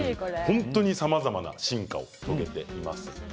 本当に、さまざまな進化を遂げています。